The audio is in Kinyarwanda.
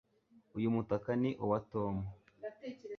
Uyu mutaka ni uwa Tom